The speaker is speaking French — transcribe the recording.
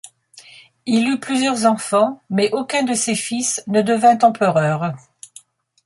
Il eut plusieurs enfants, mais aucun de ses fils ne devint empereur.